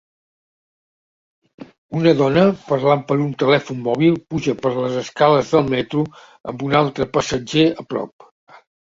Una dona parlant per un telèfon mòbil puja per les escales del metro amb un altre passatger a prop.